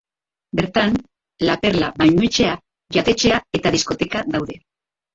Bertan, La Perla bainuetxea, jatetxea eta diskoteka daude.